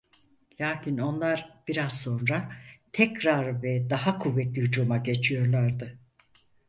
Lâkin onlar biraz sonra tekrar ve daha kuvvetli hücuma geçiyorlardı.